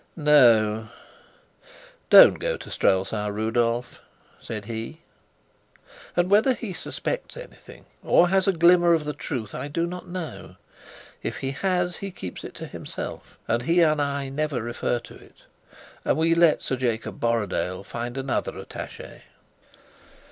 "No, don't go to Strelsau, Rudolf," said he. And whether he suspects anything, or has a glimmer of the truth, I do not know. If he has, he keeps it to himself, and he and I never refer to it. And we let Sir Jacob Borrodaile find another attaché.